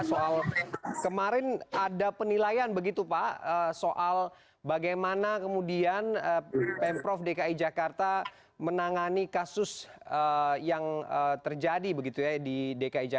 soal kemarin ada penilaian begitu pak soal bagaimana kemudian pemprov dki jakarta menangani kasus yang terjadi begitu ya di dki jakarta